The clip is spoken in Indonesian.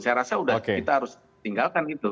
saya rasa sudah kita harus tinggalkan gitu